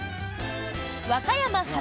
和歌山発！